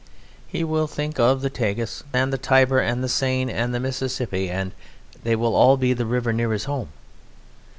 He will think of the Tagus and the Tiber and the Seine and the Mississippi and they will all be the river near his home.